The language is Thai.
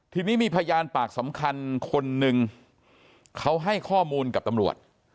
ทีนี้มีพยานปากสำคัญคนนึงเขาให้ข้อมูลกับตำรวจ